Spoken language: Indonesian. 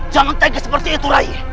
jangan tegak seperti itu rai